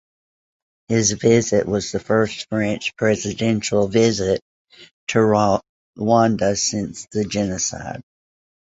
His visit was the first French presidential visit to Rwanda since the genocide.